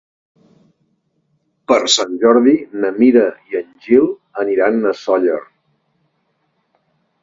Per Sant Jordi na Mira i en Gil aniran a Sóller.